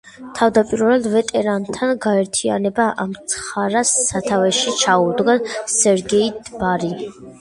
თავდაპირველად, ვეტერანთა გაერთიანება ამცახარას სათავეში ჩაუდგა სერგეი დბარი.